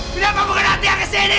kenapa bukan ranti yang kesini